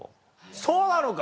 そうなのか。